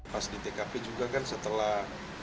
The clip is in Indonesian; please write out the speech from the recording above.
pas di tkp juga kan setelah